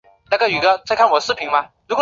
她出生在京都府京都市。